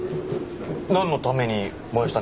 なんのために燃やしたんですか？